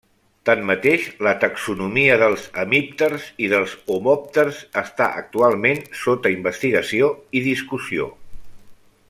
Tanmateix, la taxonomia dels hemípters i dels homòpters està actualment sota investigació i discussió.